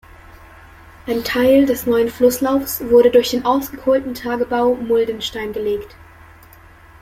Ein Teil des neuen Flusslaufs wurde durch den ausgekohlten Tagebau Muldenstein gelegt.